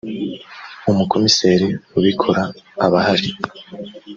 umukomiseri ubikora abahari.